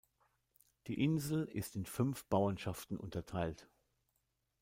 Die Insel ist in fünf Bauernschaften unterteilt.